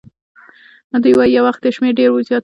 دوی وایي یو وخت یې شمیر ډېر زیات وو.